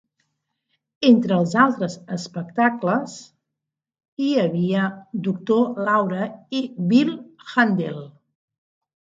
Entre els altres espectacles hi havia Doctor Laura i Bill Handel.